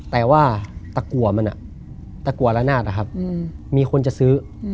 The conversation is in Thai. แต่ว่าตะกัวมันตะกัวละนาดนะครับมีคนจะซื้อ